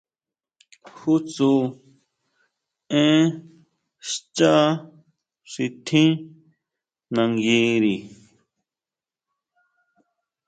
¿Jú tsú én xchá xi tjín nanguiri?